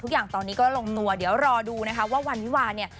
ทุกอย่างตอนนี้ก็ลงตัวเดี๋ยวรอดูนะคะว่าวันวิวาเนี่ย